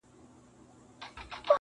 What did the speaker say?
له تودې سینې را وځي نور ساړه وي,